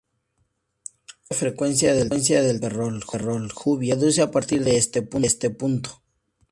La alta frecuencia del tramo Ferrol-Xubia se reduce a partir de este punto.